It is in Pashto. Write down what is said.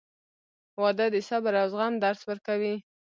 • واده د صبر او زغم درس ورکوي.